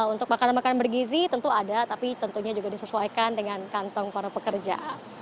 untuk makanan makanan bergizi tentu ada tapi tentunya juga disesuaikan dengan kantong para pekerja